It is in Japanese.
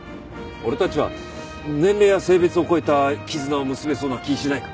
俺たちは年齢や性別を超えた絆を結べそうな気しないか？